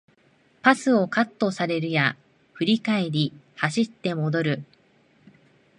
パスをカットされるや振り返り走って戻る